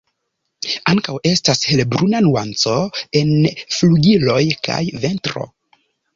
Ankaŭ estas helbruna nuanco en flugiloj kaj ventro.